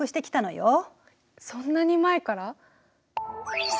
そんなに前から？